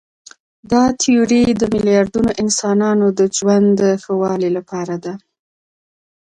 دا تیوري د میلیاردونو انسانانو د ژوند د ښه والي لپاره ده.